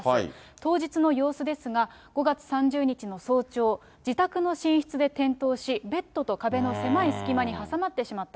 当日の様子ですが、５月３０日の早朝、自宅の寝室で転倒し、ベッドと壁の狭い隙間に挟まってしまった。